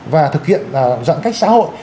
và thực hiện giãn cách xã hội